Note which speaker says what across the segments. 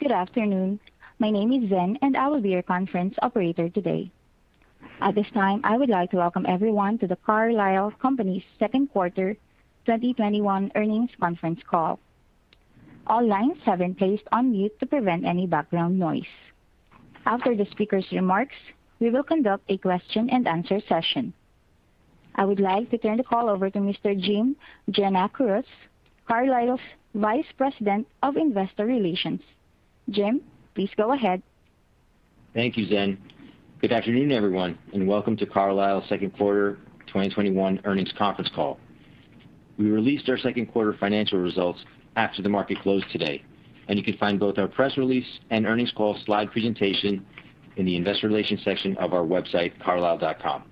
Speaker 1: Good afternoon. My name is Zhen, and I will be your conference operator today. At this time, I would like to welcome everyone to The Carlisle Companies second quarter 2021 earnings conference call. All lines have been placed on mute to prevent any background noise. After the speaker's remarks, we will conduct a question and answer session. I would like to turn the call over to Mr. Jim Giannakouros, Carlisle's Vice President of Investor Relations. Jim, please go ahead.
Speaker 2: Thank you, Zhen. Good afternoon, everyone, and welcome to Carlisle's second quarter 2021 earnings conference call. We released our second quarter financial results after the market closed today, and you can find both our press release and earnings call slide presentation in the investor relations section of our website, carlisle.com.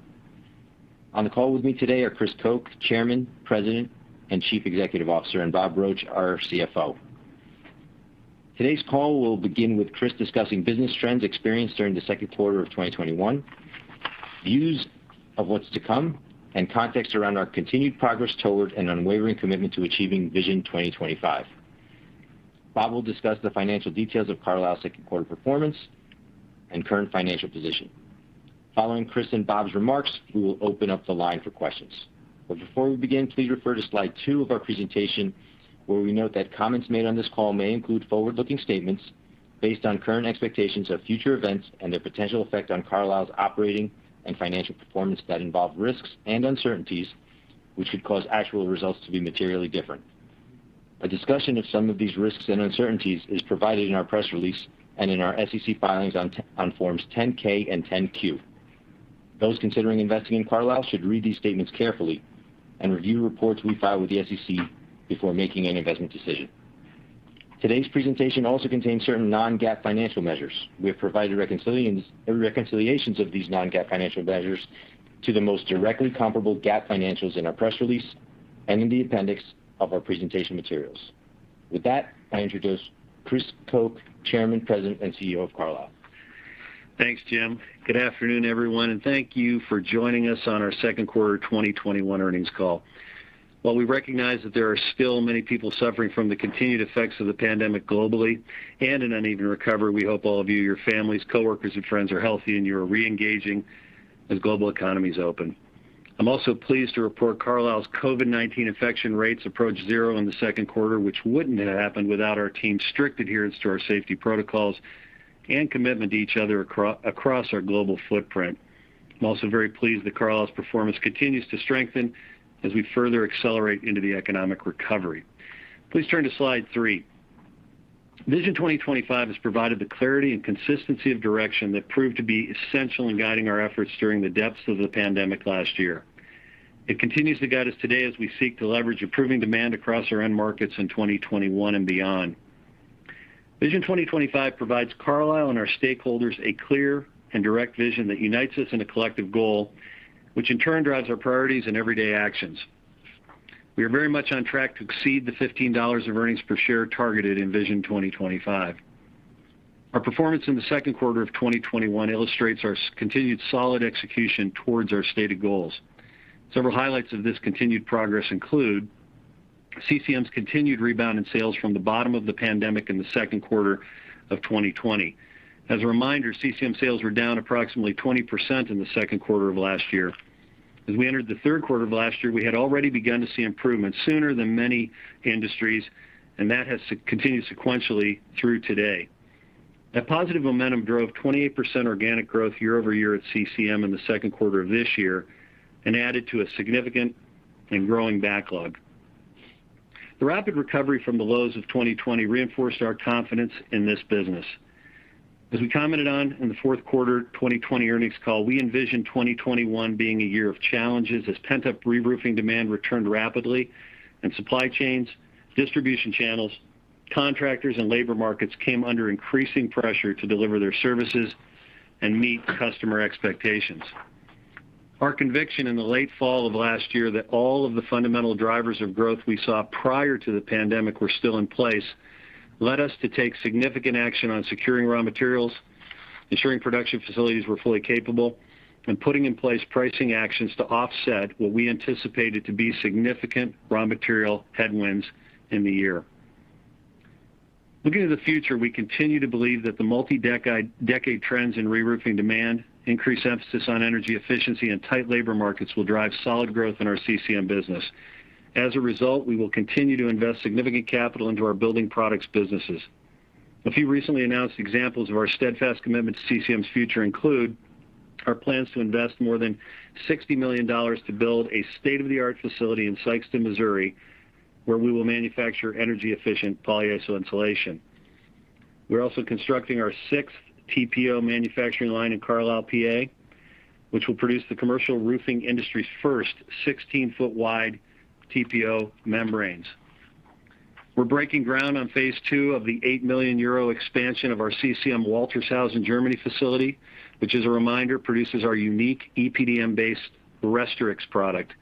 Speaker 2: On the call with me today are Chris Koch, Chairman, President, and Chief Executive Officer, and Robert Roche, our CFO. Today's call will begin with Chris discussing business trends experienced during the second quarter of 2021, views of what's to come, and context around our continued progress toward an unwavering commitment to achieving Vision 2025. Bob will discuss the financial details of Carlisle's second quarter performance and current financial position. Following Chris and Bob's remarks, we will open up the line for questions. Before we begin, please refer to slide two of our presentation, where we note that comments made on this call may include forward-looking statements based on current expectations of future events and their potential effect on Carlisle's operating and financial performance that involve risks and uncertainties, which could cause actual results to be materially different. A discussion of some of these risks and uncertainties is provided in our press release and in our SEC filings on Forms 10-K and 10-Q. Those considering investing in Carlisle should read these statements carefully and review reports we file with the SEC before making any investment decision. Today's presentation also contains certain non-GAAP financial measures. We have provided reconciliations of these non-GAAP financial measures to the most directly comparable GAAP financials in our press release and in the appendix of our presentation materials. With that, I introduce Chris Koch, Chairman, President, and CEO of Carlisle.
Speaker 3: Thanks, Jim. Good afternoon, everyone, Thank you for joining us on our second quarter 2021 earnings call. While we recognize that there are still many people suffering from the continued effects of the pandemic globally and an uneven recovery, we hope all of you, your families, coworkers, and friends are healthy and you are re-engaging as global economies open. I'm also pleased to report Carlisle's COVID-19 infection rates approach 0 in the second quarter, which wouldn't have happened without our team's strict adherence to our safety protocols and commitment to each other across our global footprint. I'm also very pleased that Carlisle's performance continues to strengthen as we further accelerate into the economic recovery. Please turn to slide three. Vision 2025 has provided the clarity and consistency of direction that proved to be essential in guiding our efforts during the depths of the pandemic last year. It continues to guide us today as we seek to leverage improving demand across our end markets in 2021 and beyond. Vision 2025 provides Carlisle and our stakeholders a clear and direct vision that unites us in a collective goal, which in turn drives our priorities and everyday actions. We are very much on track to exceed the $15 of earnings per share targeted in Vision 2025. Our performance in the second quarter of 2021 illustrates our continued solid execution towards our stated goals. Several highlights of this continued progress include CCM's continued rebound in sales from the bottom of the pandemic in the second quarter of 2020. As a reminder, CCM sales were down approximately 20% in the second quarter of last year. As we entered the third quarter of last year, we had already begun to see improvement sooner than many industries, and that has continued sequentially through today. That positive momentum drove 28% organic growth year-over-year at CCM in the second quarter of this year and added to a significant and growing backlog. The rapid recovery from the lows of 2020 reinforced our confidence in this business. As we commented on in the fourth quarter 2020 earnings call, we envisioned 2021 being a year of challenges as pent-up reroofing demand returned rapidly and supply chains, distribution channels, contractors, and labor markets came under increasing pressure to deliver their services and meet customer expectations. Our conviction in the late fall of last year that all of the fundamental drivers of growth we saw prior to the pandemic were still in place led us to take significant action on securing raw materials, ensuring production facilities were fully capable, and putting in place pricing actions to offset what we anticipated to be significant raw material headwinds in the year. Looking to the future, we continue to believe that the multi-decade trends in reroofing demand, increased emphasis on energy efficiency, and tight labor markets will drive solid growth in our CCM business. As a result, we will continue to invest significant capital into our building products businesses. A few recently announced examples of our steadfast commitment to CCM's future include our plans to invest more than $60 million to build a state-of-the-art facility in Sikeston, Missouri, where we will manufacture energy-efficient polyiso insulation. We're also constructing our sixth TPO manufacturing line in Carlisle, PA, which will produce the commercial roofing industry's first 16-foot wide TPO membranes. We're breaking ground on phase II of the 8 million euro expansion of our CCM Waltershausen, Germany facility, which as a reminder, produces our unique EPDM-based Restorix product.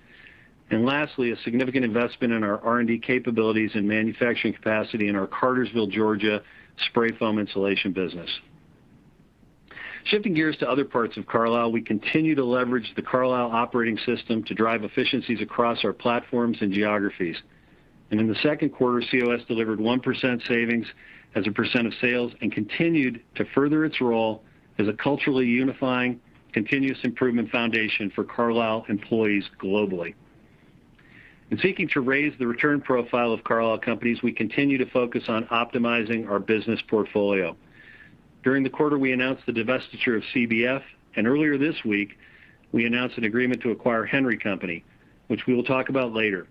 Speaker 3: Lastly, a significant investment in our R&D capabilities and manufacturing capacity in our Cartersville, Georgia, spray foam insulation business. Shifting gears to other parts of Carlisle, we continue to leverage the Carlisle Operating System to drive efficiencies across our platforms and geographies. In the second quarter, COS delivered 1% savings as a percent of sales and continued to further its role as a culturally unifying continuous improvement foundation for Carlisle employees globally. In seeking to raise the return profile of Carlisle Companies, we continue to focus on optimizing our business portfolio. During the quarter, we announced the divestiture of CBF, and earlier this week, we announced an agreement to acquire Henry Company, which we will talk about later.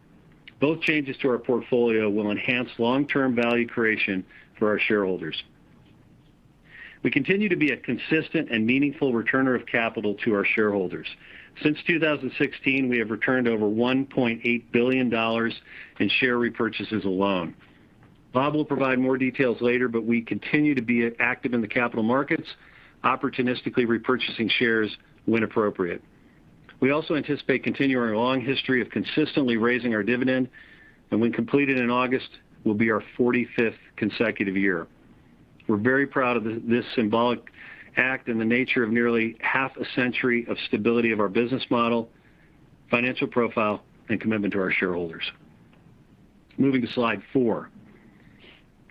Speaker 3: Both changes to our portfolio will enhance long-term value creation for our shareholders. We continue to be a consistent and meaningful returner of capital to our shareholders. Since 2016, we have returned over $1.8 billion in share repurchases alone. Bob will provide more details later, but we continue to be active in the capital markets, opportunistically repurchasing shares when appropriate. We also anticipate continuing our long history of consistently raising our dividend, and when completed in August, will be our 45th consecutive year. We're very proud of this symbolic act and the nature of nearly half a century of stability of our business model, financial profile, and commitment to our shareholders. Moving to slide four.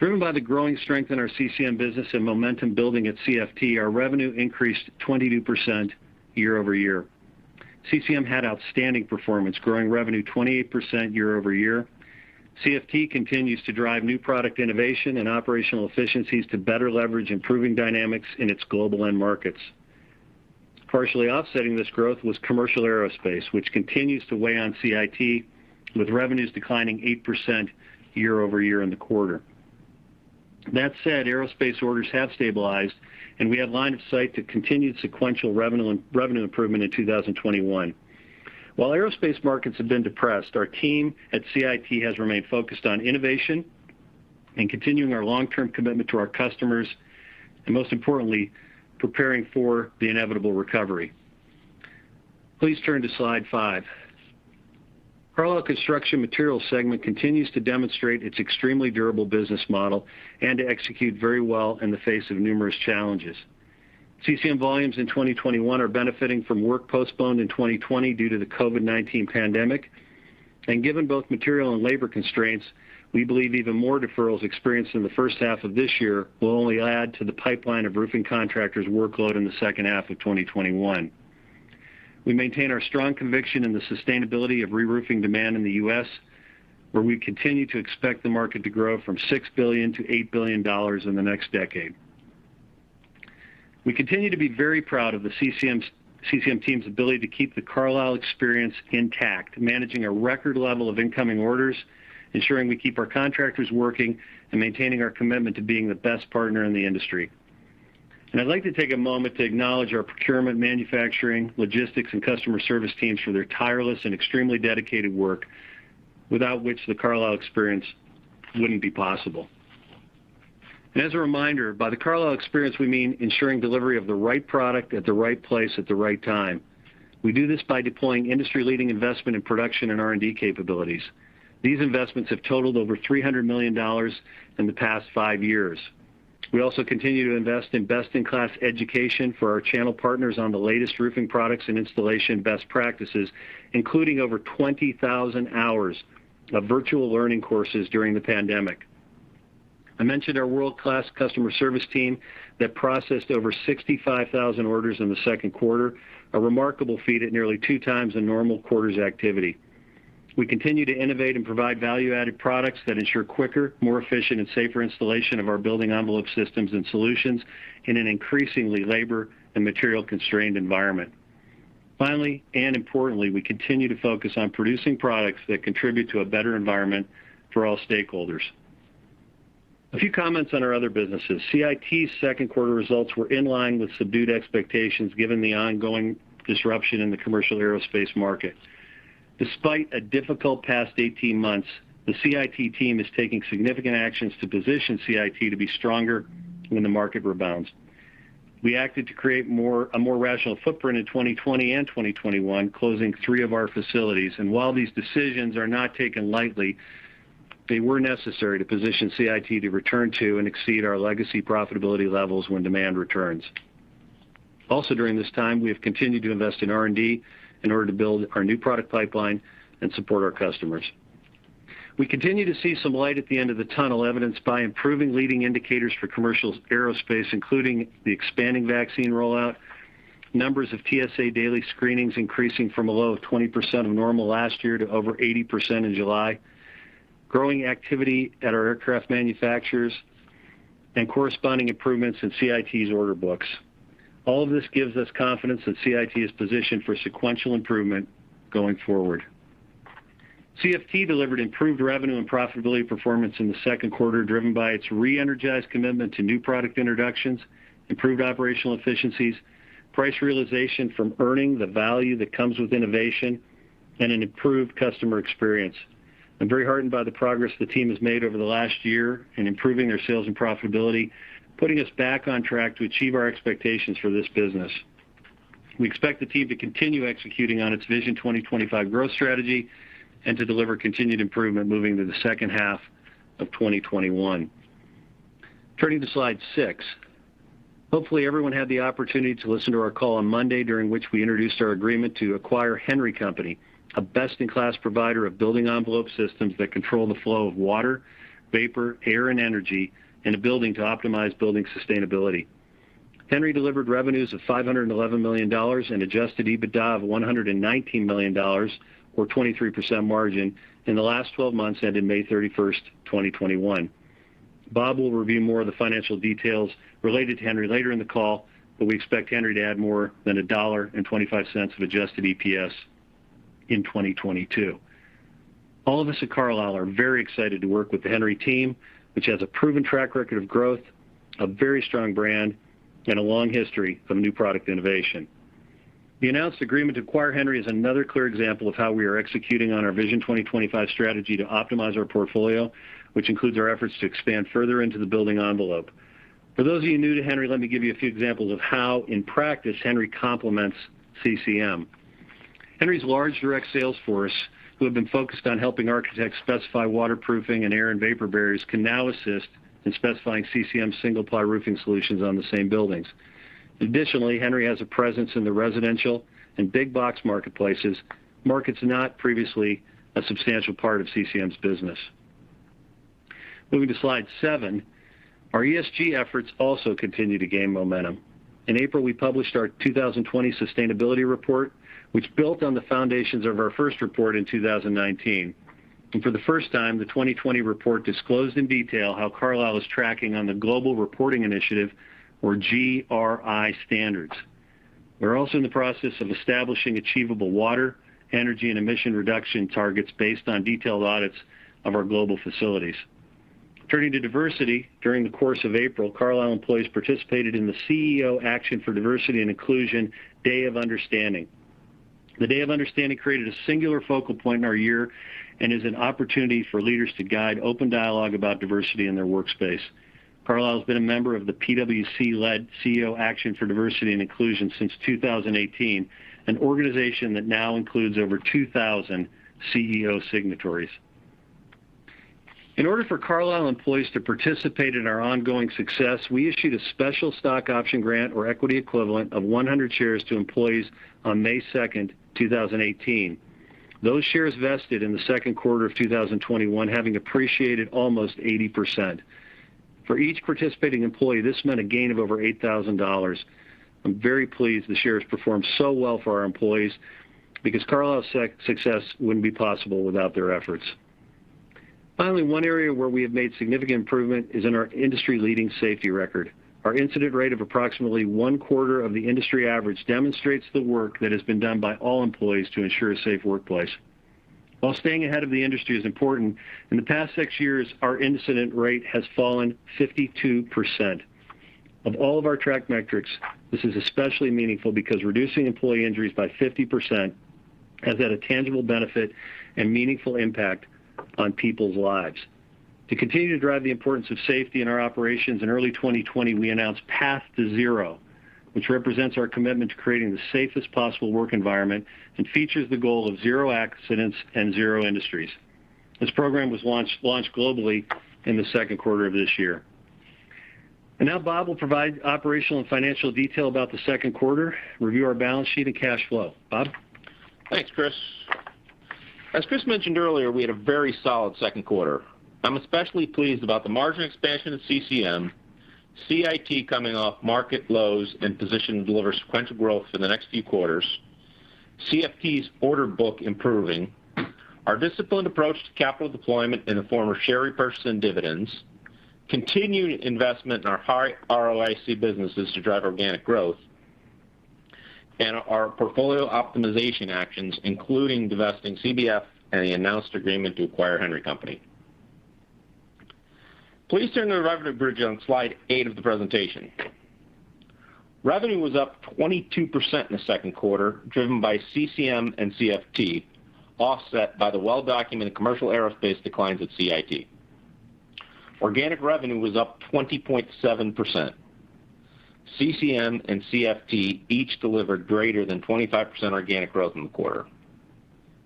Speaker 3: Driven by the growing strength in our CCM business and momentum building at CFT, our revenue increased 22% year-over-year. CCM had outstanding performance, growing revenue 28% year-over-year. CFT continues to drive new product innovation and operational efficiencies to better leverage improving dynamics in its global end markets. Partially offsetting this growth was commercial aerospace, which continues to weigh on CIT, with revenues declining 8% year-over-year in the quarter. Said, aerospace orders have stabilized, and we have line of sight to continued sequential revenue improvement in 2021. While aerospace markets have been depressed, our team at CIT has remained focused on innovation and continuing our long-term commitment to our customers, and most importantly, preparing for the inevitable recovery. Please turn to slide five. Carlisle Construction Materials segment continues to demonstrate its extremely durable business model and to execute very well in the face of numerous challenges. CCM volumes in 2021 are benefiting from work postponed in 2020 due to the COVID-19 pandemic, and given both material and labor constraints, we believe even more deferrals experienced in the first half of this year will only add to the pipeline of roofing contractors' workload in the second half of 2021. We maintain our strong conviction in the sustainability of reroofing demand in the U.S., where we continue to expect the market to grow from $6 billion-$8 billion in the next decade. We continue to be very proud of the CCM team's ability to keep the Carlisle Experience intact, managing a record level of incoming orders, ensuring we keep our contractors working, and maintaining our commitment to being the best partner in the industry. I'd like to take a moment to acknowledge our procurement, manufacturing, logistics, and customer service teams for their tireless and extremely dedicated work, without which the Carlisle Experience wouldn't be possible. As a reminder, by the Carlisle Experience, we mean ensuring delivery of the right product at the right place at the right time. We do this by deploying industry-leading investment in production and R&D capabilities. These investments have totaled over $300 million in the past five years. We also continue to invest in best-in-class education for our channel partners on the latest roofing products and installation best practices, including over 20,000 hours of virtual learning courses during the pandemic. I mentioned our world-class customer service team that processed over 65,000 orders in the second quarter, a remarkable feat at nearly two times a normal quarter's activity. We continue to innovate and provide value-added products that ensure quicker, more efficient, and safer installation of our building envelope systems and solutions in an increasingly labor and material-constrained environment. Finally, and importantly, we continue to focus on producing products that contribute to a better environment for all stakeholders. A few comments on our other businesses. CIT's second quarter results were in line with subdued expectations given the ongoing disruption in the commercial aerospace market. Despite a difficult past 18 months, the CIT team is taking significant actions to position CIT to be stronger when the market rebounds. We acted to create a more rational footprint in 2020 and 2021, closing three of our facilities. While these decisions are not taken lightly, they were necessary to position CIT to return to and exceed our legacy profitability levels when demand returns. During this time, we have continued to invest in R&D in order to build our new product pipeline and support our customers. We continue to see some light at the end of the tunnel, evidenced by improving leading indicators for commercial aerospace, including the expanding vaccine rollout, numbers of TSA daily screenings increasing from a low of 20% of normal last year to over 80% in July, growing activity at our aircraft manufacturers, and corresponding improvements in CIT's order books. All of this gives us confidence that CIT is positioned for sequential improvement going forward. CFT delivered improved revenue and profitability performance in the second quarter, driven by its re-energized commitment to new product introductions, improved operational efficiencies, price realization from earning the value that comes with innovation, and an improved customer experience. I'm very heartened by the progress the team has made over the last year in improving their sales and profitability, putting us back on track to achieve our expectations for this business. We expect the team to continue executing on its Vision 2025 growth strategy and to deliver continued improvement moving to the second half of 2021. Turning to slide six. Hopefully, everyone had the opportunity to listen to our call on Monday, during which we introduced our agreement to acquire Henry Company, a best-in-class provider of building envelope systems that control the flow of water, vapor, air, and energy in a building to optimize building sustainability. Henry delivered revenues of $511 million in adjusted EBITDA of $119 million, or 23% margin in the last 12 months, ending May 31st, 2021. Bob will review more of the financial details related to Henry later in the call, but we expect Henry to add more than $1.25 of adjusted EPS in 2022. All of us at Carlisle are very excited to work with the Henry team, which has a proven track record of growth, a very strong brand, and a long history of new product innovation. The announced agreement to acquire Henry is another clear example of how we are executing on our Vision 2025 strategy to optimize our portfolio, which includes our efforts to expand further into the building envelope. For those of you new to Henry, let me give you a few examples of how, in practice, Henry complements CCM. Henry's large direct sales force, who have been focused on helping architects specify waterproofing and air and vapor barriers, can now assist in specifying CCM's single-ply roofing solutions on the same buildings. Henry has a presence in the residential and big box marketplaces, markets not previously a substantial part of CCM's business. Moving to slide seven, our ESG efforts also continue to gain momentum. In April, we published our 2020 sustainability report, which built on the foundations of our first report in 2019. For the first time, the 2020 report disclosed in detail how Carlisle is tracking on the Global Reporting Initiative, or GRI, standards. We're also in the process of establishing achievable water, energy, and emission reduction targets based on detailed audits of our global facilities. Turning to diversity, during the course of April, Carlisle employees participated in the CEO Action for Diversity & Inclusion Day of Understanding. The Day of Understanding created a singular focal point in our year and is an opportunity for leaders to guide open dialogue about diversity in their workspace. Carlisle has been a member of the PwC-led CEO Action for Diversity & Inclusion since 2018, an organization that now includes over 2,000 CEO signatories. In order for Carlisle employees to participate in our ongoing success, we issued a special stock option grant or equity equivalent of 100 shares to employees on May 2nd, 2018. Those shares vested in the second quarter of 2021, having appreciated almost 80%. For each participating employee, this meant a gain of over $8,000. I'm very pleased the shares performed so well for our employees because Carlisle's success wouldn't be possible without their efforts. Finally, one area where we have made significant improvement is in our industry-leading safety record. Our incident rate of approximately one-quarter of the industry average demonstrates the work that has been done by all employees to ensure a safe workplace. While staying ahead of the industry is important, in the past six years, our incident rate has fallen 52%. Of all of our track metrics, this is especially meaningful because reducing employee injuries by 50% has had a tangible benefit and meaningful impact on people's lives. To continue to drive the importance of safety in our operations, in early 2020, we announced Path to Zero, which represents our commitment to creating the safest possible work environment and features the goal of zero accidents and zero injuries. This program was launched globally in the second quarter of this year. Now Bob will provide operational and financial detail about the second quarter, review our balance sheet, and cash flow. Bob?
Speaker 4: Thanks, Chris. As Chris mentioned earlier, we had a very solid second quarter. I'm especially pleased about the margin expansion of CCM, CIT coming off market lows and positioned to deliver sequential growth for the next few quarters, CFT's order book improving, our disciplined approach to capital deployment in the form of share repurchase and dividends, continued investment in our high ROIC businesses to drive organic growth, and our portfolio optimization actions, including divesting CBF and the announced agreement to acquire Henry Company. Please turn to the revenue bridge on slide eight of the presentation. Revenue was up 22% in the second quarter, driven by CCM and CFT, offset by the well-documented commercial aerospace declines at CIT. Organic revenue was up 20.7%. CCM and CFT each delivered greater than 25% organic growth in the quarter.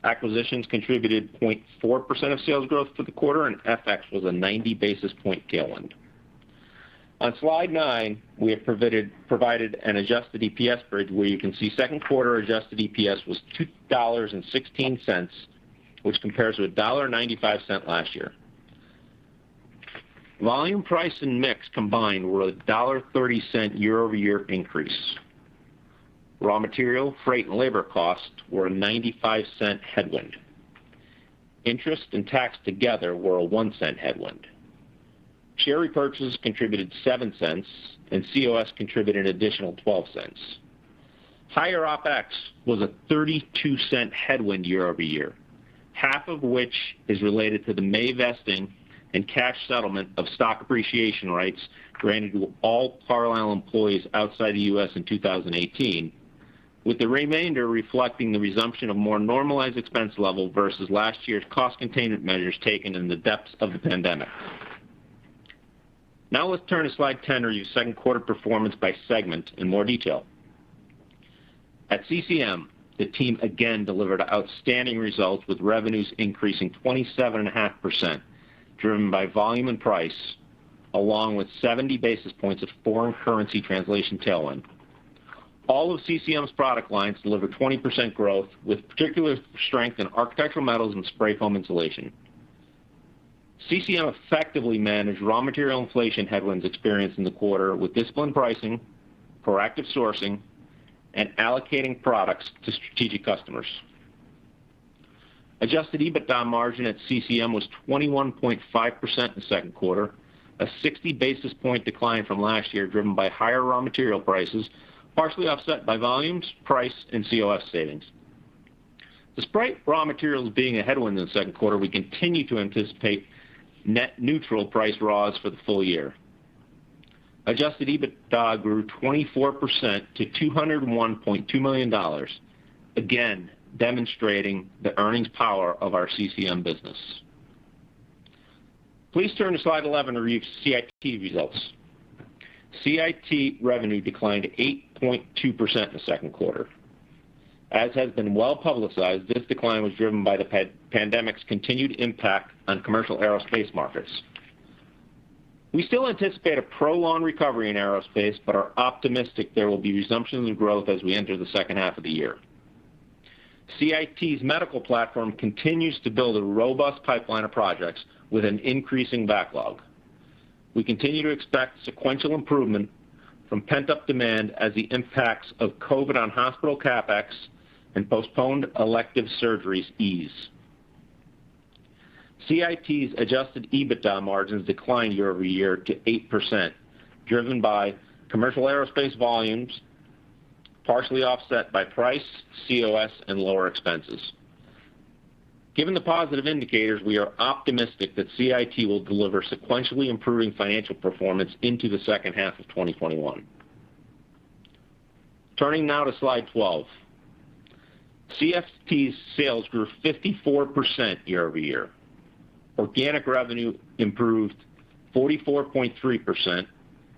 Speaker 4: Acquisitions contributed 0.4% of sales growth for the quarter, and FX was a 90-basis-point tailwind. On slide nine, we have provided an adjusted EPS bridge where you can see second quarter adjusted EPS was $2.16, which compares with $1.95 last year. Volume, price, and mix combined were a $1.30 year-over-year increase. Raw material, freight, and labor costs were a $0.95 headwind. Interest and tax together were a $0.01 headwind. Share repurchases contributed $0.07, and COS contributed an additional $0.12. Higher OPEX was a $0.32 headwind year-over-year, half of which is related to the May vesting and cash settlement of stock appreciation rights granted to all Carlisle employees outside the U.S. in 2018, with the remainder reflecting the resumption of more normalized expense level versus last year's cost containment measures taken in the depths of the pandemic. Now let's turn to slide 10, review second quarter performance by segment in more detail. At CCM, the team again delivered outstanding results with revenues increasing 27.5%, driven by volume and price, along with 70 basis points of foreign currency translation tailwind. All of CCM's product lines delivered 20% growth, with particular strength in architectural metals and spray foam insulation. CCM effectively managed raw material inflation headwinds experienced in the quarter with disciplined pricing, proactive sourcing, and allocating products to strategic customers. Adjusted EBITDA margin at CCM was 21.5% in the second quarter, a 60-basis-point decline from last year driven by higher raw material prices, partially offset by volumes, price, and COS savings. Despite raw materials being a headwind in the second quarter, we continue to anticipate net neutral price raws for the full year. Adjusted EBITDA grew 24% to $201.2 million, again demonstrating the earnings power of our CCM business. Please turn to slide 11 to review CIT results. CIT revenue declined 8.2% in the second quarter. As has been well-publicized, this decline was driven by the pandemic's continued impact on commercial aerospace markets. We still anticipate a prolonged recovery in aerospace but are optimistic there will be resumption of growth as we enter the second half of the year. CIT's medical platform continues to build a robust pipeline of projects with an increasing backlog. We continue to expect sequential improvement from pent-up demand as the impacts of COVID on hospital CapEx and postponed elective surgeries ease. CIT's adjusted EBITDA margins declined year-over-year to 8%, driven by commercial aerospace volumes, partially offset by price, COS, and lower expenses. Given the positive indicators, we are optimistic that CIT will deliver sequentially improving financial performance into the second half of 2021. Turning now to slide 12. CFT's sales grew 54% year-over-year. Organic revenue improved 44.3%,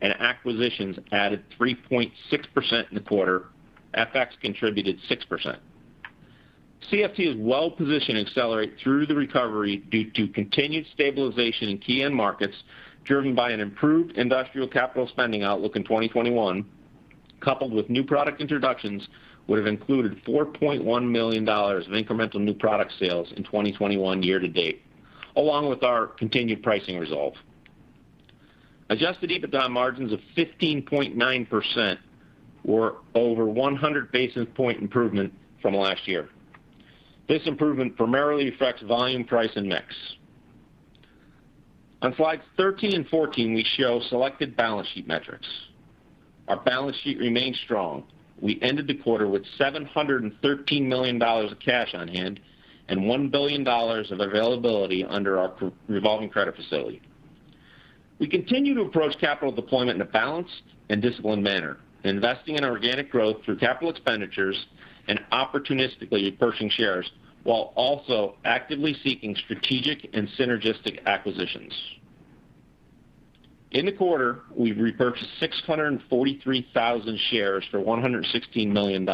Speaker 4: and acquisitions added 3.6% in the quarter. FX contributed 6%. CFT is well positioned to accelerate through the recovery due to continued stabilization in key end markets, driven by an improved industrial capital spending outlook in 2021, coupled with new product introductions would have included $4.1 million of incremental new product sales in 2021 year to date, along with our continued pricing resolve. Adjusted EBITDA margins of 15.9% were over a 100-basis point improvement from last year. This improvement primarily affects volume, price, and mix. On slides 13 and 14, we show selected balance sheet metrics. Our balance sheet remains strong. We ended the quarter with $713 million of cash on hand and $1 billion of availability under our revolving credit facility. We continue to approach capital deployment in a balanced and disciplined manner, investing in organic growth through capital expenditures and opportunistically purchasing shares while also actively seeking strategic and synergistic acquisitions. In the quarter, we repurchased 643,000 shares for $116 million,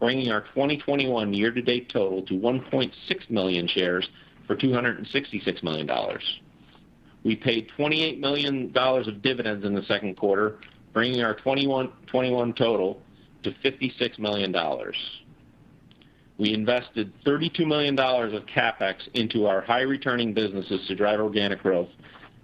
Speaker 4: bringing our 2021 year-to-date total to 1.6 million shares for $266 million. We paid $28 million of dividends in the second quarter, bringing our 2021 total to $56 million. We invested $32 million of CapEx into our high-returning businesses to drive organic growth,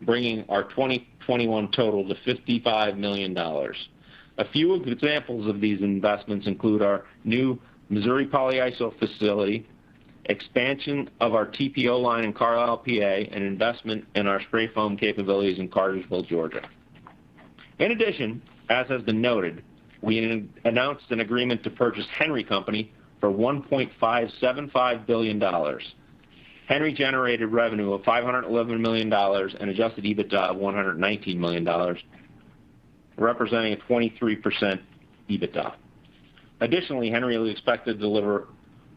Speaker 4: bringing our 2021 total to $55 million. A few examples of these investments include our new Missouri polyiso facility, expansion of our TPO line in Carlisle, PA, and investment in our spray foam capabilities in Cartersville, Georgia. As has been noted, we announced an agreement to purchase Henry Company for $1.575 billion. Henry generated revenue of $511 million and adjusted EBITDA of $119 million, representing a 23% EBITDA. Henry is expected to deliver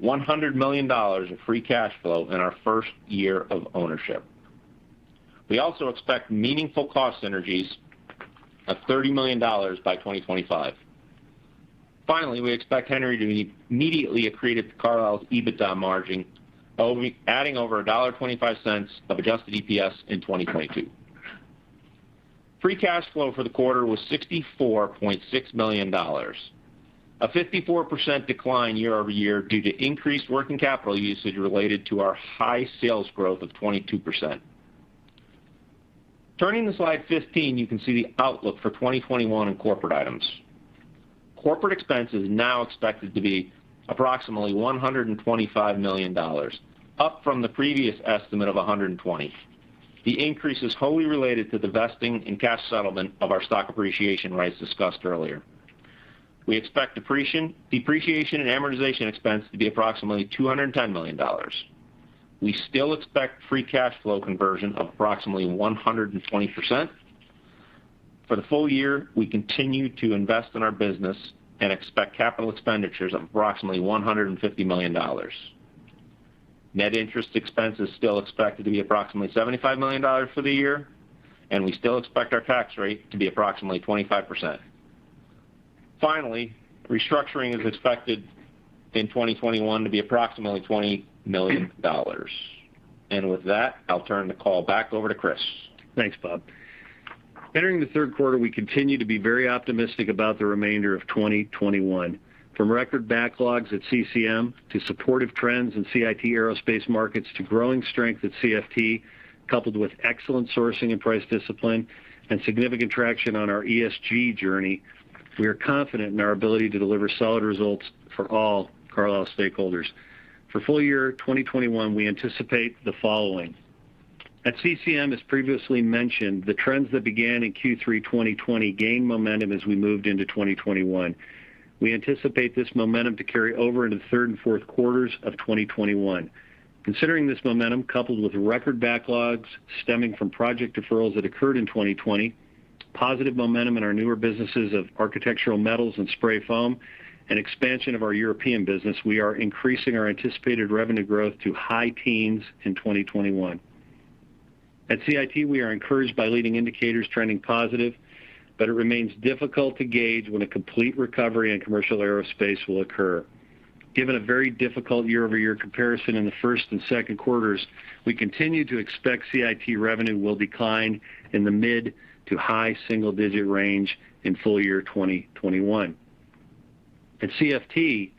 Speaker 4: $100 million of free cash flow in our first year of ownership. We also expect meaningful cost synergies of $30 million by 2025. We expect Henry to immediately accretive to Carlisle's EBITDA margin, adding over $1.25 of adjusted EPS in 2022. Free cash flow for the quarter was $64.6 million, a 54% decline year-over-year due to increased working capital usage related to our high sales growth of 22%. Turning to slide 15, you can see the outlook for 2021 in corporate items. Corporate expense is now expected to be approximately $125 million, up from the previous estimate of $120. The increase is wholly related to the vesting and cash settlement of our stock appreciation rights discussed earlier. We expect depreciation and amortization expense to be approximately $210 million. We still expect free cash flow conversion of approximately 120%. For the full year, we continue to invest in our business and expect capital expenditures of approximately $150 million. Net interest expense is still expected to be approximately $75 million for the year, and we still expect our tax rate to be approximately 25%. Finally, restructuring is expected in 2021 to be approximately $20 million. With that, I'll turn the call back over to Chris.
Speaker 3: Thanks, Bob. Entering the third quarter, we continue to be very optimistic about the remainder of 2021. From record backlogs at CCM to supportive trends in CIT Aerospace markets to growing strength at CFT, coupled with excellent sourcing and price discipline and significant traction on our ESG journey. We are confident in our ability to deliver solid results for all Carlisle stakeholders. For full year 2021, we anticipate the following. At CCM, as previously mentioned, the trends that began in Q3 2020 gained momentum as we moved into 2021. We anticipate this momentum to carry over into the third and fourth quarters of 2021. Considering this momentum, coupled with record backlogs stemming from project deferrals that occurred in 2020, positive momentum in our newer businesses of architectural metals and spray foam, and expansion of our European business, we are increasing our anticipated revenue growth to high teens in 2021. At CIT, we are encouraged by leading indicators trending positive, but it remains difficult to gauge when a complete recovery in commercial aerospace will occur. Given a very difficult year-over-year comparison in the first and second quarters, we continue to expect CIT revenue will decline in the mid to high single-digit range in full year 2021. At CFT,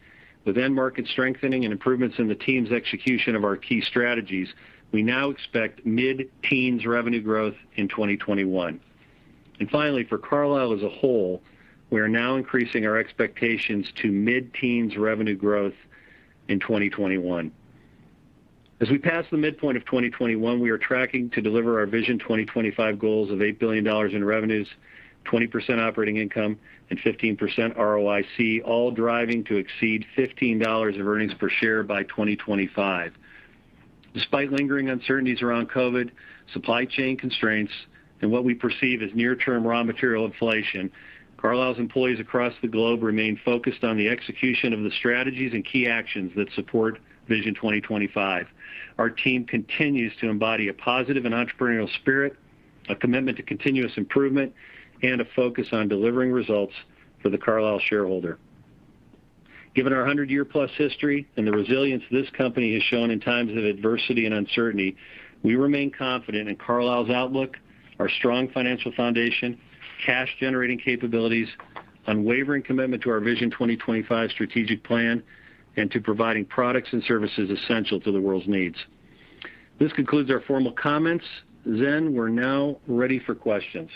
Speaker 3: with end market strengthening and improvements in the team's execution of our key strategies, we now expect mid-teens revenue growth in 2021. Finally, for Carlisle as a whole, we are now increasing our expectations to mid-teens revenue growth in 2021. As we pass the midpoint of 2021, we are tracking to deliver our Vision 2025 goals of $8 billion in revenues, 20% operating income, and 15% ROIC, all driving to exceed $15 of earnings per share by 2025. Despite lingering uncertainties around COVID, supply chain constraints, and what we perceive as near-term raw material inflation, Carlisle's employees across the globe remain focused on the execution of the strategies and key actions that support Vision 2025. Our team continues to embody a positive and entrepreneurial spirit, a commitment to continuous improvement, and a focus on delivering results for the Carlisle shareholder. Given our 100-year-plus history and the resilience this company has shown in times of adversity and uncertainty, we remain confident in Carlisle's outlook, our strong financial foundation, cash-generating capabilities, unwavering commitment to our Vision 2025 strategic plan, and to providing products and services essential to the world's needs. This concludes our formal comments. Zhen, we're now ready for questions.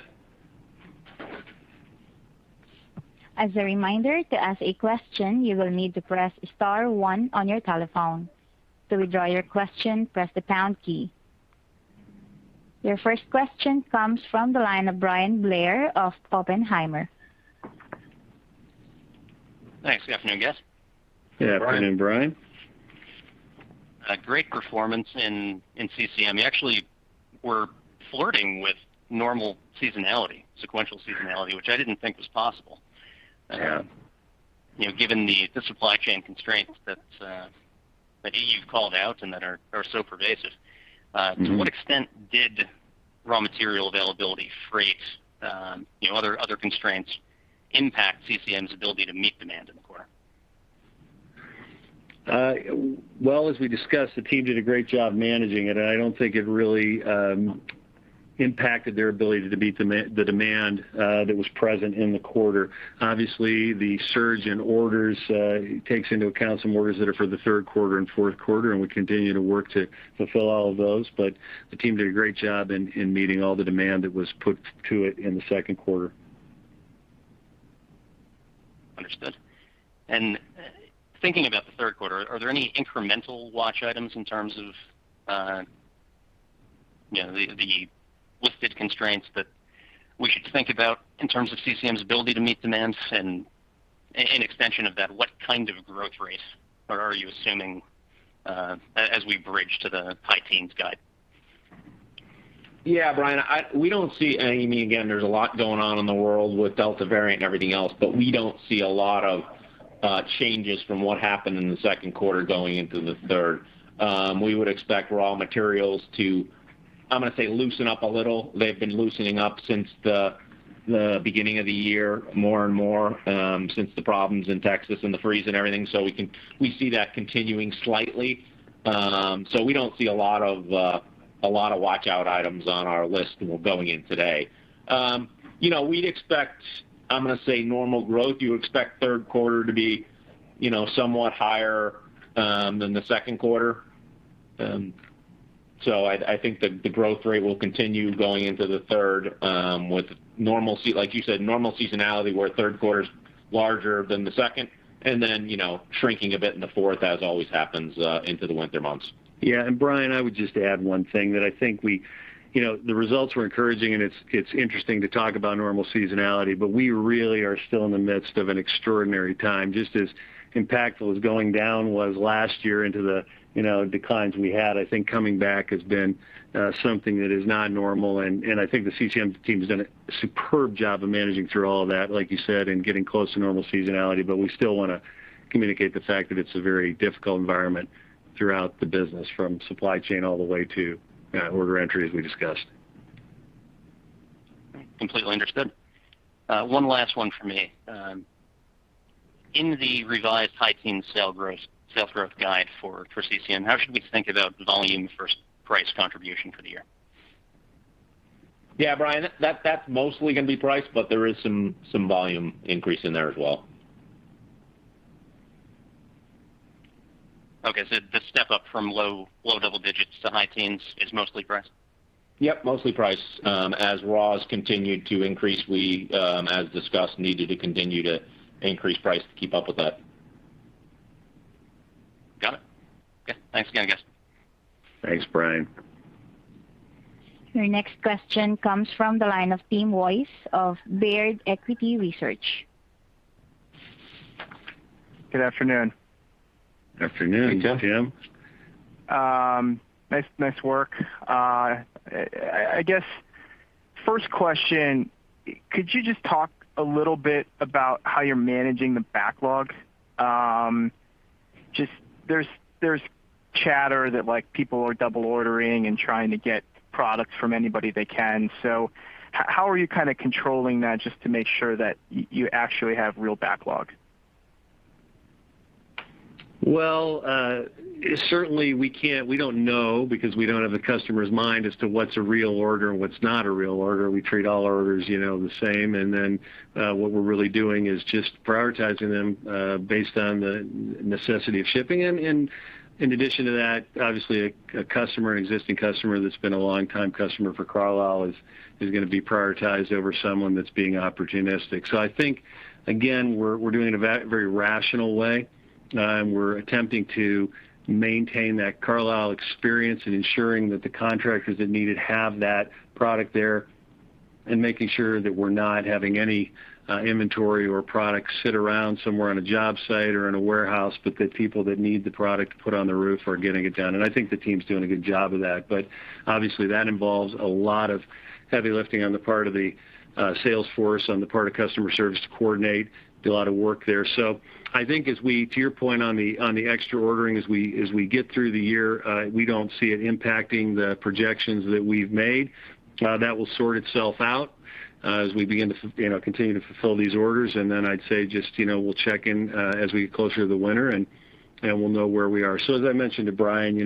Speaker 1: As a reminder, to ask a question, you will need to press star one on your telephone. To withdraw your question, press the pound key. Your first question comes from the line of Bryan Blair of Oppenheimer.
Speaker 5: Thanks. Good afternoon, guys.
Speaker 3: Good afternoon, Bryan.
Speaker 5: Great performance in CCM. You actually were flirting with normal seasonality, sequential seasonality, which I didn't think was possible.
Speaker 3: Yeah.
Speaker 5: Given the supply chain constraints that you've called out and that are so pervasive. To what extent did raw material availability, freight, other constraints impact CCM's ability to meet demand in the quarter?
Speaker 3: Well, as we discussed, the team did a great job managing it, and I don't think it really impacted their ability to meet the demand that was present in the quarter. Obviously, the surge in orders takes into account some orders that are for the third quarter and fourth quarter, and we continue to work to fulfill all of those. The team did a great job in meeting all the demand that was put to it in the second quarter.
Speaker 5: Understood. Thinking about the third quarter, are there any incremental watch items in terms of the listed constraints that we should think about in terms of CCM's ability to meet demands? In extension of that, what kind of growth rates are you assuming as we bridge to the high teens guide?
Speaker 4: Yeah, Bryan, we don't see any. Again, there's a lot going on in the world with Delta variant and everything else, but we don't see a lot of changes from what happened in the second quarter going into the third. We would expect raw materials to, I'm going to say, loosen up a little. They've been loosening up since the beginning of the year, more and more since the problems in Texas and the freeze and everything. We see that continuing slightly. We don't see a lot of watch-out items on our list going in today. We'd expect, I'm going to say, normal growth. You expect third quarter to be somewhat higher than the second quarter. I think the growth rate will continue going into the third with, like you said, normal seasonality, where third quarter is larger than the second, and then shrinking a bit in the fourth, as always happens into the winter months.
Speaker 3: Yeah. Bryan, I would just add one thing that I think the results were encouraging, and it's interesting to talk about normal seasonality, but we really are still in the midst of an extraordinary time. Just as impactful as going down was last year into the declines we had, I think coming back has been something that is not normal, and I think the CCM team has done a superb job of managing through all of that, like you said, and getting close to normal seasonality. We still want to communicate the fact that it's a very difficult environment throughout the business, from supply chain all the way to order entry, as we discussed.
Speaker 5: Completely understood. One last one from me. In the revised high-teen sales growth guide for CCM, how should we think about volume versus price contribution for the year?
Speaker 3: Yeah, Bryan, that's mostly going to be price, but there is some volume increase in there as well.
Speaker 5: Okay. The step up from low double digits to high teens is mostly price?
Speaker 3: Yep, mostly price. As raws continued to increase, we, as discussed, needed to continue to increase price to keep up with that.
Speaker 5: Got it. Okay. Thanks again, guys.
Speaker 3: Thanks, Bryan.
Speaker 1: Your next question comes from the line of Tim Wojs of Baird Equity Research.
Speaker 6: Good afternoon.
Speaker 3: Afternoon, Tim.
Speaker 4: Hey, Tim.
Speaker 6: Nice work. I guess, first question, could you just talk a little bit about how you're managing the backlog? There's chatter that people are double ordering and trying to get products from anybody they can. How are you controlling that just to make sure that you actually have real backlog?
Speaker 3: Well, certainly we don't know because we don't have the customer's mind as to what's a real order and what's not a real order. We treat all orders the same, what we're really doing is just prioritizing them, based on the necessity of shipping them. In addition to that, obviously a customer, an existing customer that's been a long-time customer for Carlisle is going to be prioritized over someone that's being opportunistic. I think, again, we're doing it in a very rational way. We're attempting to maintain that Carlisle Experience and ensuring that the contractors that need it have that product there, and making sure that we're not having any inventory or product sit around somewhere on a job site or in a warehouse, but that people that need the product to put on the roof are getting it done. I think the team's doing a good job of that. Obviously that involves a lot of heavy lifting on the part of the sales force, on the part of customer service to coordinate, do a lot of work there. I think to your point on the extra ordering, as we get through the year, we don't see it impacting the projections that we've made. That will sort itself out, as we continue to fulfill these orders, I'd say just we'll check in as we get closer to the winter, and we'll know where we are. As I mentioned to Bryan,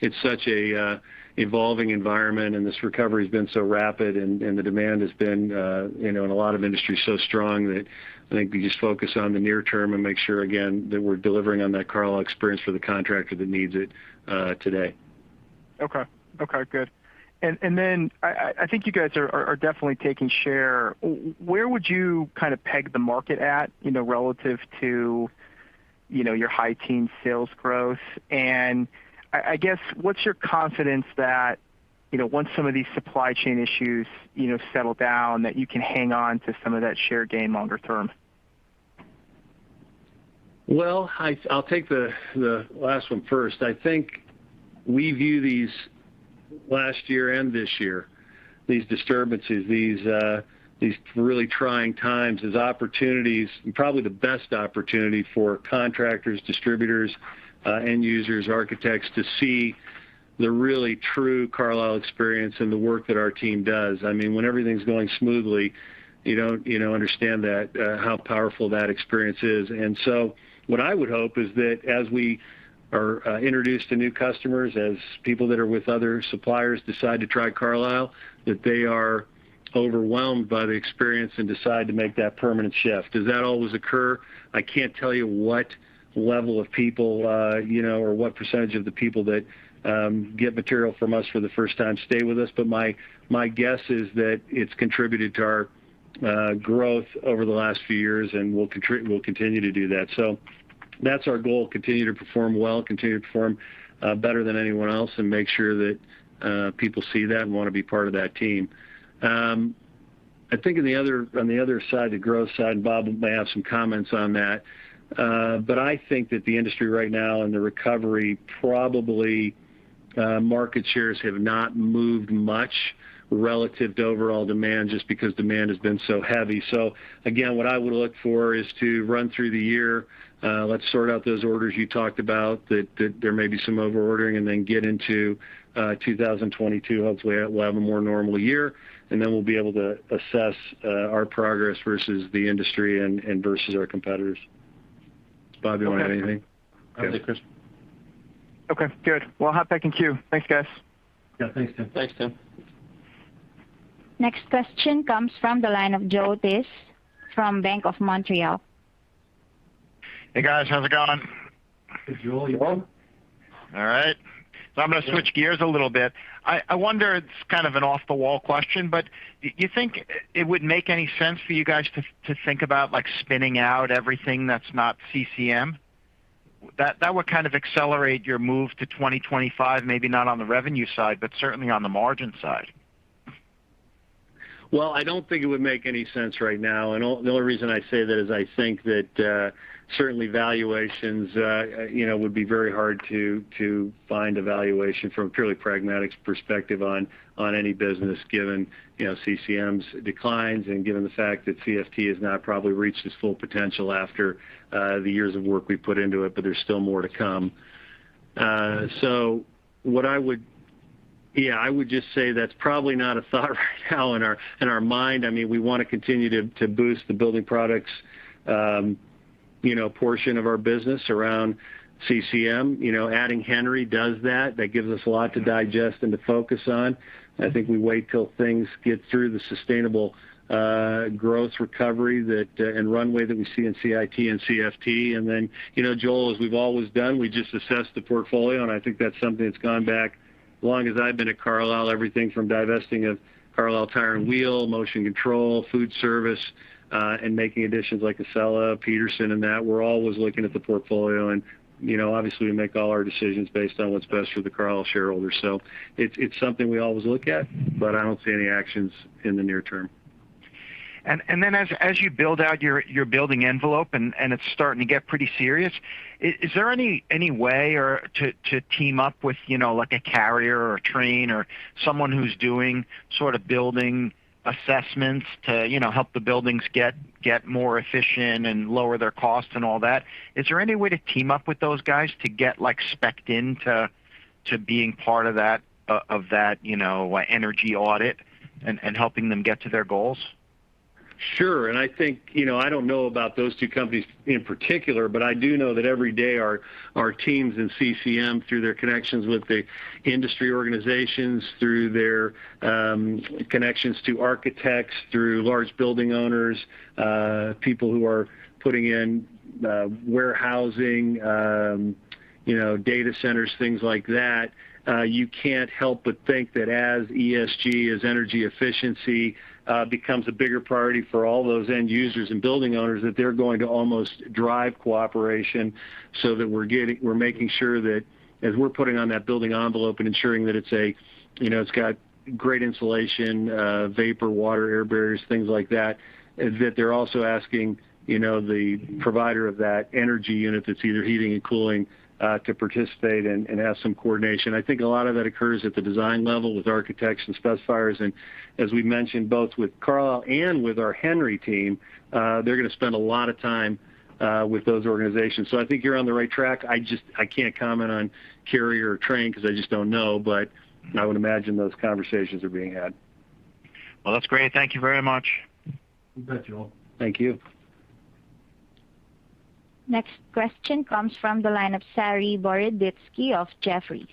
Speaker 3: it's such an evolving environment, and this recovery's been so rapid, and the demand has been, in a lot of industries, so strong that I think we just focus on the near term and make sure, again, that we're delivering on that Carlisle Experience for the contractor that needs it today.
Speaker 6: Okay. Good. I think you guys are definitely taking share. Where would you peg the market at, relative to your high teen sales growth? I guess, what's your confidence that, once some of these supply chain issues settle down, that you can hang on to some of that share gain longer term?
Speaker 3: Well, I'll take the last one first. I think we view these, last year and this year, these disturbances, these really trying times as opportunities, probably the best opportunity for contractors, distributors, end users, architects, to see the really true Carlisle Experience and the work that our team does. When everything's going smoothly, you don't understand how powerful that experience is. What I would hope is that as we are introduced to new customers, as people that are with other suppliers decide to try Carlisle, that they are overwhelmed by the experience and decide to make that permanent shift. Does that always occur? I can't tell you what level of people, or what percentage of the people that get material from us for the first time stay with us, but my guess is that it's contributed to our growth over the last few years, and will continue to do that. That's our goal, continue to perform well, continue to perform better than anyone else, and make sure that people see that and want to be part of that team. I think on the other side, the growth side, Bob may have some comments on that. I think that the industry right now and the recovery, probably, market shares have not moved much relative to overall demand, just because demand has been so heavy. Again, what I would look for is to run through the year. Let's sort out those orders you talked about, that there may be some over-ordering, and then get into 2022. Hopefully we'll have a more normal year, and then we'll be able to assess our progress versus the industry and versus our competitors. Bob, you want to add anything?
Speaker 6: Okay.
Speaker 1: Next question comes from the line of Joel Tiss from Bank of Montreal.
Speaker 7: Hey, guys. How's it going?
Speaker 3: Hey, Joe. You're on.
Speaker 7: All right. I'm going to switch gears a little bit. I wonder, it's kind of an off-the-wall question, but you think it would make any sense for you guys to think about spinning out everything that's not CCM? That would accelerate your move to 2025, maybe not on the revenue side, but certainly on the margin side.
Speaker 3: Well, I don't think it would make any sense right now, and the only reason I say that is I think that certainly valuations would be very hard to find a valuation from a purely pragmatic perspective on any business, given CCM's declines and given the fact that CFT has now probably reached its full potential after the years of work we put into it, but there's still more to come. I would just say that's probably not a thought right now in our mind. We want to continue to boost the building products portion of our business around CCM. Adding Henry does that. That gives us a lot to digest and to focus on. I think we wait till things get through the sustainable growth recovery that, and runway that we see in CIT and CFT, and then, Joel, as we've always done, we just assess the portfolio, and I think that's something that's gone back long as I've been at Carlisle, everything from divesting of Carlisle Tire and Wheel, Motion Control, Foodservice, and making additions like Accella, Petersen, and that. We're always looking at the portfolio, and obviously we make all our decisions based on what's best for the Carlisle shareholder. It's something we always look at, but I don't see any actions in the near term.
Speaker 7: As you build out your building envelope and it's starting to get pretty serious, is there any way to team up with a Carrier or a Trane or someone who's doing building assessments to help the buildings get more efficient and lower their costs and all that? Is there any way to team up with those guys to get spec'd in to being part of that energy audit and helping them get to their goals?
Speaker 3: Sure. I don't know about those two companies in particular, but I do know that every day our teams in CCM, through their connections with the industry organizations, through their connections to architects, through large building owners, people who are putting in warehousing, data centers, things like that, you can't help but think that as ESG, as energy efficiency, becomes a bigger priority for all those end users and building owners, that they're going to almost drive cooperation so that we're making sure that as we're putting on that building envelope and ensuring that it's got great insulation, vapor, water, air barriers, things like that they're also asking the provider of that energy unit that's either heating and cooling, to participate and have some coordination. I think a lot of that occurs at the design level with architects and specifiers. As we mentioned, both with Carlisle and with our Henry team, they're going to spend a lot of time with those organizations. I think you're on the right track. I can't comment on Carrier or Trane because I just don't know, but I would imagine those conversations are being had.
Speaker 7: Well, that's great. Thank you very much.
Speaker 3: You bet, Joel. Thank you.
Speaker 1: Next question comes from the line of Saree Boroditsky of Jefferies.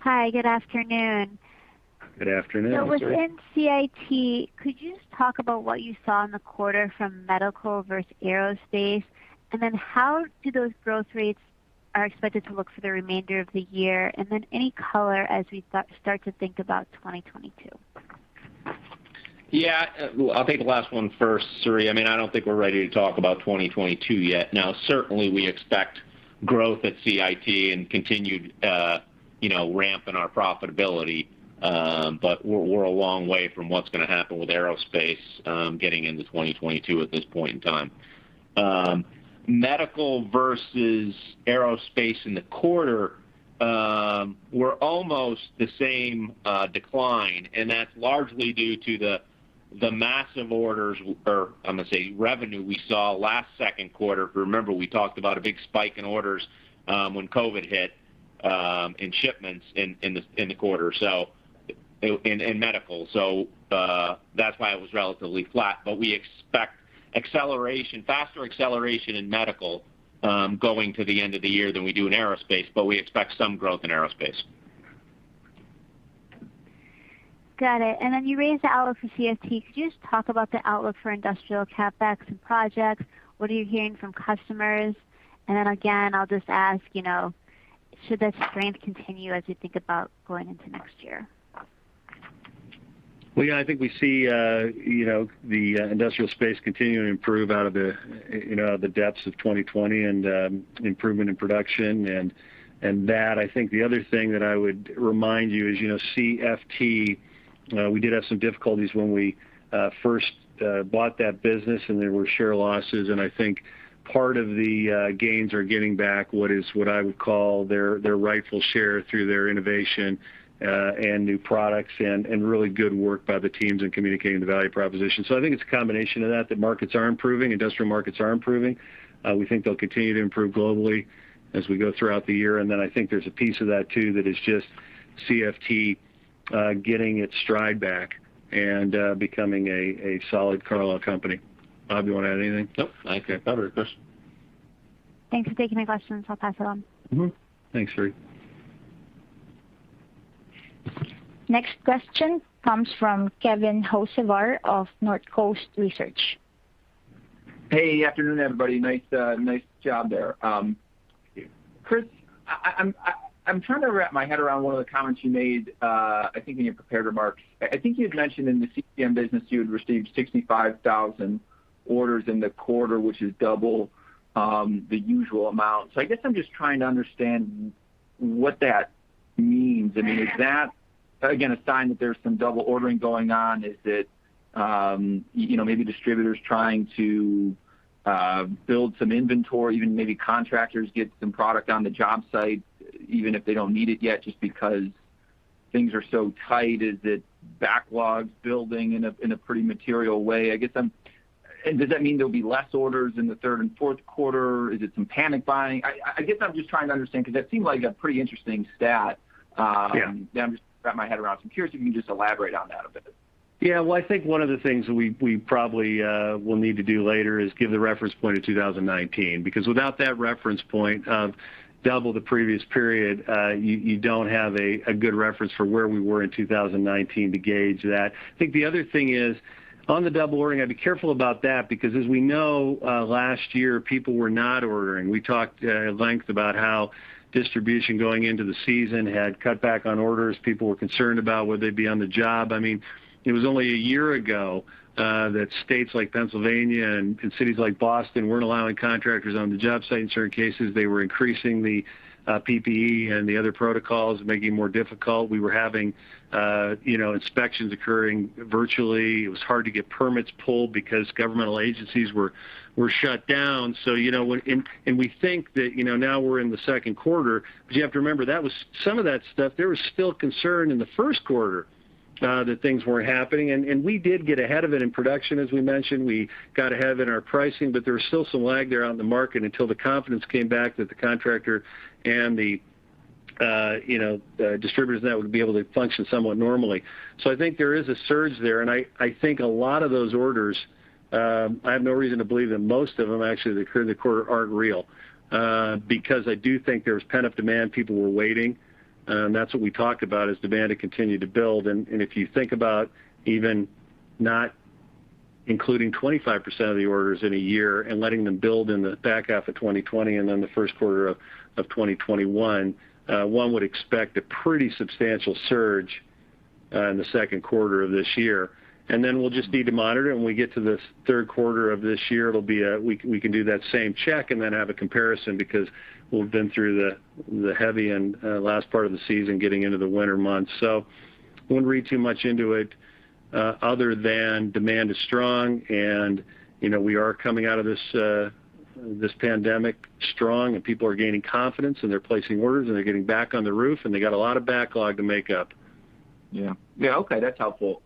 Speaker 8: Hi, good afternoon.
Speaker 3: Good afternoon, Saree.
Speaker 8: Within CIT, could you just talk about what you saw in the quarter from medical versus aerospace, how those growth rates are expected to look for the remainder of the year, any color as we start to think about 2022?
Speaker 4: I'll take the last one first, Saree. I don't think we're ready to talk about 2022 yet. Certainly we expect growth at CIT and continued ramp in our profitability. But we're a long way from what's going to happen with aerospace getting into 2022 at this point in time. Medical versus aerospace in the quarter were almost the same decline, and that's largely due to the massive orders, or I'm going to say revenue we saw last second quarter. If you remember, we talked about a big spike in orders when COVID hit, in shipments in the quarter, in medical. That's why it was relatively flat, but we expect faster acceleration in medical, going to the end of the year than we do in aerospace, but we expect some growth in aerospace.
Speaker 8: Got it. You raised the outlook for CFT. Could you just talk about the outlook for industrial CapEx and projects? What are you hearing from customers? Again, I'll just ask, should the strength continue as you think about going into next year?
Speaker 3: Well, yeah, I think we see the industrial space continuing to improve out of the depths of 2020 and improvement in production and that. I think the other thing that I would remind you is, CFT, we did have some difficulties when we first bought that business and there were share losses, and I think part of the gains are getting back what I would call their rightful share through their innovation, and new products and really good work by the teams in communicating the value proposition. I think it's a combination of that markets are improving, industrial markets are improving. We think they'll continue to improve globally as we go throughout the year. I think there's a piece of that too that is just CFT getting its stride back and becoming a solid Carlisle Companies. Bob, you want to add anything?
Speaker 4: Nope. I think I covered it, Chris.
Speaker 8: Thanks for taking my questions. I'll pass it on.
Speaker 3: Thanks, Saree.
Speaker 1: Next question comes from Kevin Hocevar of Northcoast Research.
Speaker 9: Hey, afternoon, everybody. Nice job there.
Speaker 3: Thank you.
Speaker 9: Chris, I'm trying to wrap my head around one of the comments you made, I think in your prepared remarks. I think you had mentioned in the CCM business you had received 65,000 orders in the quarter, which is double the usual amount. I guess I'm just trying to understand what that means. Is that, again, a sign that there's some double ordering going on? Is it maybe distributors trying to build some inventory, even maybe contractors get some product on the job site, even if they don't need it yet, just because things are so tight. Is it backlogs building in a pretty material way? Does that mean there'll be less orders in the third and fourth quarter? Is it some panic buying? I guess I'm just trying to understand because that seemed like a pretty interesting stat.
Speaker 3: Yeah.
Speaker 9: Yeah, I'm just wrapping my head around it. I'm curious if you can just elaborate on that a bit?
Speaker 3: Well, I think one of the things that we probably will need to do later is give the reference point of 2019, because without that reference point of double the previous period, you don't have a good reference for where we were in 2019 to gauge that. I think the other thing is, on the double ordering, I'd be careful about that because as we know, last year, people were not ordering. We talked at length about how distribution going into the season had cut back on orders. People were concerned about would they be on the job. It was only a year ago that states like Pennsylvania and cities like Boston weren't allowing contractors on the job site. In certain cases, they were increasing the PPE and the other protocols, making it more difficult. We were having inspections occurring virtually. It was hard to get permits pulled because governmental agencies were shut down. We think that now we're in the second quarter, but you have to remember some of that stuff, there was still concern in the first quarter that things weren't happening. We did get ahead of it in production, as we mentioned. We got ahead in our pricing. There was still some lag there out in the market until the confidence came back that the contractor and the distributors and that would be able to function somewhat normally. I think there is a surge there, and I think a lot of those orders, I have no reason to believe that most of them actually through the quarter aren't real. I do think there was pent-up demand. People were waiting. That's what we talked about, is demand had continued to build. If you think about even not including 25% of the orders in a year and letting them build in the back half of 2020 and then the first quarter of 2021, one would expect a pretty substantial surge in the second quarter of this year. Then we'll just need to monitor it, and when we get to the third quarter of this year, we can do that same check and then have a comparison because we'll have been through the heavy and last part of the season getting into the winter months. Wouldn't read too much into it other than demand is strong, and we are coming out of this pandemic strong, and people are gaining confidence and they're placing orders, and they're getting back on the roof, and they got a lot of backlog to make up.
Speaker 9: Yeah. Okay. That's helpful.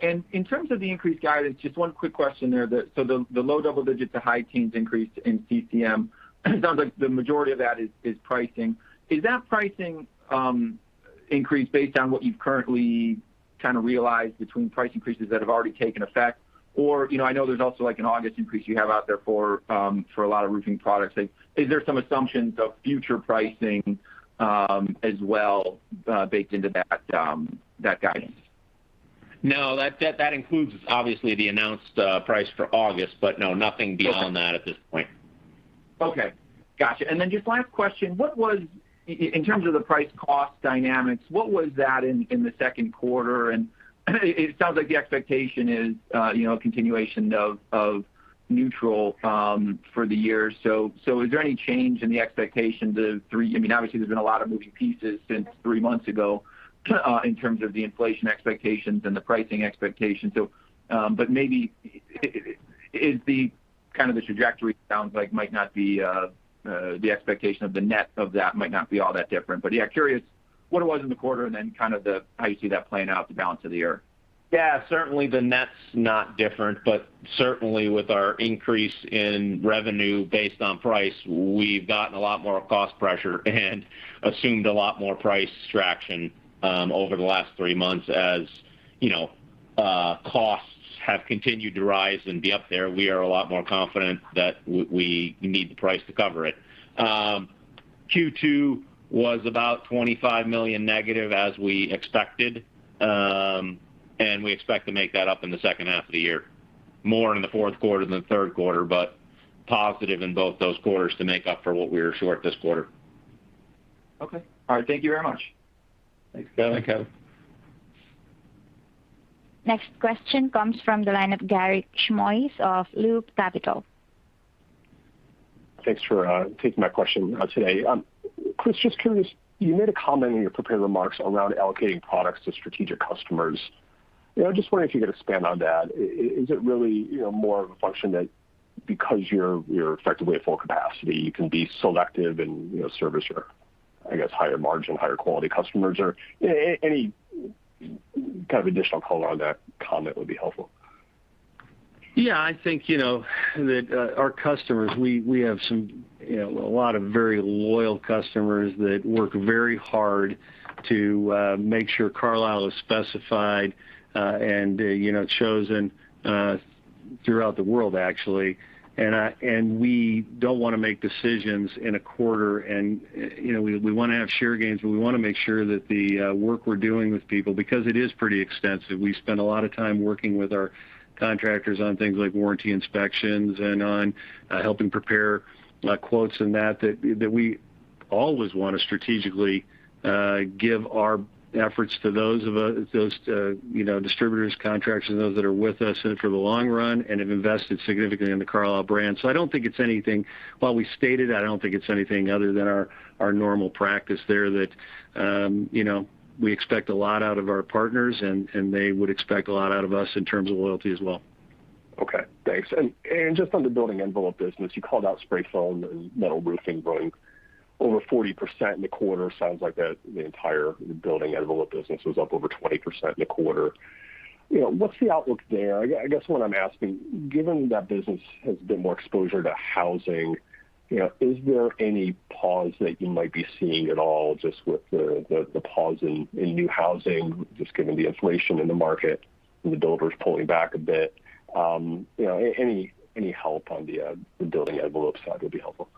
Speaker 9: In terms of the increased guidance, just one quick question there. The low double digits to high teens increase in CCM, it sounds like the majority of that is pricing. Is that pricing increase based on what you've currently realized between price increases that have already taken effect? I know there's also an August increase you have out there for a lot of roofing products. Is there some assumptions of future pricing as well baked into that guidance?
Speaker 3: No, that includes obviously the announced price for August, but no, nothing beyond that at this point.
Speaker 9: Okay. Got you. Just last question. In terms of the price cost dynamics, what was that in the second quarter? It sounds like the expectation is a continuation of neutral for the year. Is there any change in the expectations of three-- Obviously, there's been a lot of moving pieces since three months ago in terms of the inflation expectations and the pricing expectations. The trajectory, it sounds like, might not be the expectation of the net of that might not be all that different. Curious what it was in the quarter and then how you see that playing out the balance of the year.
Speaker 3: Yeah, certainly the net's not different, but certainly with our increase in revenue based on price, we've gotten a lot more cost pressure and assumed a lot more price traction over the last three months as costs have continued to rise and be up there. We are a lot more confident that we need the price to cover it. Q2 was about $25 million negative as we expected. We expect to make that up in the second half of the year, more in the fourth quarter than the third quarter, but positive in both those quarters to make up for what we are short this quarter.
Speaker 9: Okay. All right. Thank you very much.
Speaker 3: Thanks, Kevin.
Speaker 1: Next question comes from the line of Garik Shmois of Loop Capital.
Speaker 10: Thanks for taking my question today. Chris, just curious, you made a comment in your prepared remarks around allocating products to strategic customers. I'm just wondering if you could expand on that. Is it really more of a function that because you're effectively at full capacity, you can be selective in serving, I guess, higher margin, higher quality customers? Any additional color on that comment would be helpful.
Speaker 3: I think that our customers, we have a lot of very loyal customers that work very hard to make sure Carlisle is specified and chosen throughout the world actually. We don't want to make decisions in a quarter, and we want to have share gains, but we want to make sure that the work we're doing with people, because it is pretty extensive. We spend a lot of time working with our contractors on things like warranty inspections and on helping prepare quotes and that we always want to strategically give our efforts to those distributors, contractors, and those that are with us in it for the long run and have invested significantly in the Carlisle brand. While we stated that, I don't think it's anything other than our normal practice there that we expect a lot out of our partners, and they would expect a lot out of us in terms of loyalty as well.
Speaker 10: Okay, thanks. Just on the building envelope business, you called out spray foam and metal roofing growing over 40% in the quarter. Sounds like the entire building envelope business was up over 20% in the quarter. What's the outlook there? I guess what I'm asking, given that business has a bit more exposure to housing, is there any pause that you might be seeing at all just with the pause in new housing, just given the inflation in the market and the builders pulling back a bit? Any help on the building envelope side would be helpful.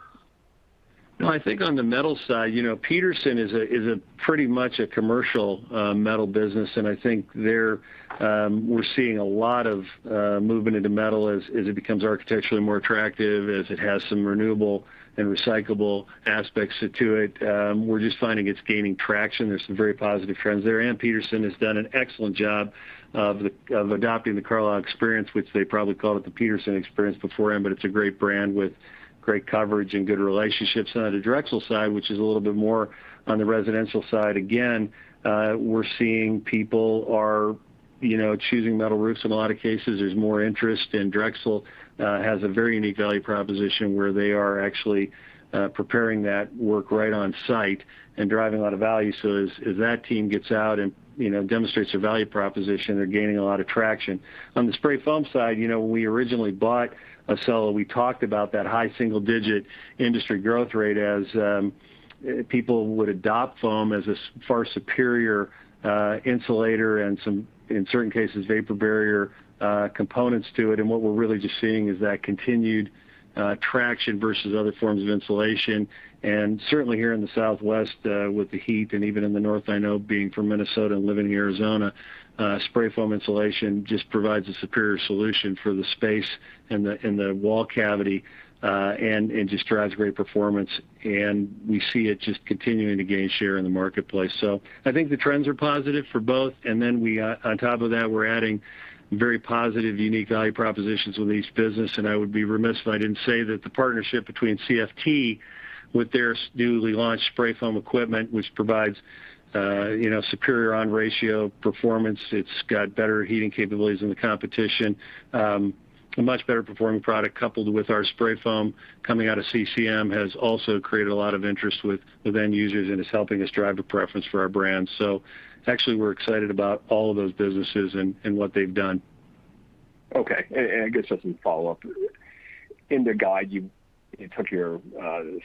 Speaker 3: No, I think on the metal side, Petersen is pretty much a commercial metal business. I think there, we're seeing a lot of movement into metal as it becomes architecturally more attractive, as it has some renewable and recyclable aspects to it. We're just finding it's gaining traction. There are some very positive trends there. Petersen has done an excellent job of adopting the Carlisle Experience, which they probably called it the Petersen experience beforehand. It's a great brand with great coverage and good relationships. On the Drexel side, which is a little bit more on the residential side, again, we're seeing people are choosing metal roofs in a lot of cases. There's more interest. Drexel has a very unique value proposition where they are actually preparing that work right on-site and driving a lot of value. As that team gets out and demonstrates their value proposition, they're gaining a lot of traction. On the spray foam side, when we originally bought Accella, we talked about that high single-digit industry growth rate as people would adopt foam as a far superior insulator and some, in certain cases, vapor barrier components to it. What we're really just seeing is that continued traction versus other forms of insulation. Certainly here in the Southwest, with the heat, and even in the North, I know, being from Minnesota and living in Arizona, spray foam insulation just provides a superior solution for the space in the wall cavity, and just drives great performance. We see it just continuing to gain share in the marketplace. I think the trends are positive for both, on top of that, we're adding very positive, unique value propositions with each business. I would be remiss if I didn't say that the partnership between CFT with their newly launched spray foam equipment, which provides superior on-ratio performance. It's got better heating capabilities than the competition. A much better performing product coupled with our spray foam coming out of CCM has also created a lot of interest with the end users and is helping us drive a preference for our brand. Actually, we're excited about all of those businesses and what they've done.
Speaker 10: Okay. I guess just in follow-up, in the guide, you took your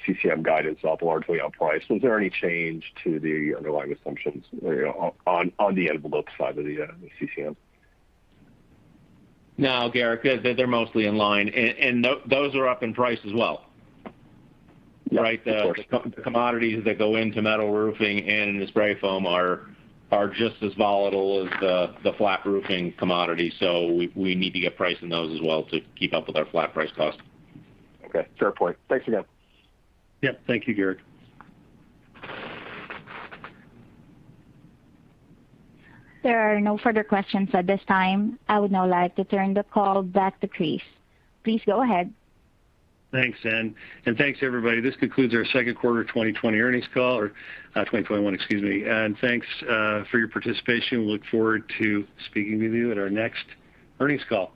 Speaker 10: CCM guidance up largely on price. Was there any change to the underlying assumptions on the envelope side of CCM?
Speaker 3: No, Garik, they're mostly in line. Those are up in price as well.
Speaker 10: Yeah, of course.
Speaker 3: The commodities that go into metal roofing and the spray foam are just as volatile as the flat roofing commodities. We need to get price in those as well to keep up with our flat price cost.
Speaker 10: Okay, fair point. Thanks again.
Speaker 3: Yeah. Thank you, Garik.
Speaker 1: There are no further questions at this time. I would now like to turn the call back to Chris. Please go ahead.
Speaker 3: Thanks, Zhen, and thanks, everybody. This concludes our second quarter 2020 earnings call. 2021, excuse me. Thanks for your participation. We look forward to speaking with you at our next earnings call.